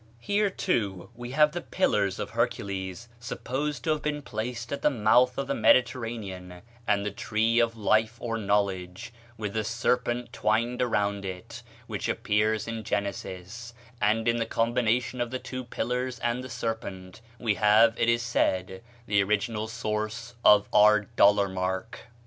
Here, too, we have the Pillars of Hercules, supposed to have been placed at the mouth of the Mediterranean, and the tree of life or knowledge, with the serpent twined around it, which appears in Genesis; and in the combination of the two pillars and the serpent we have, it is said, the original source of our dollar mark [$].